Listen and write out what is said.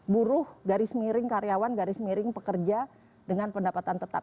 buruh garis miring karyawan garis miring pekerja dengan pendapatan tetap